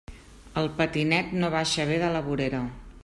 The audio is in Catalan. El patinet no baixa bé de la vorera.